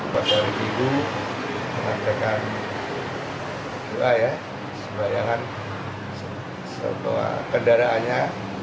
mbak soevi ibu menantikan dua ya sebayangan sebuah kendaraannya